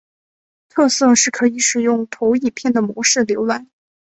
特色是可以使用投影片的模式浏览。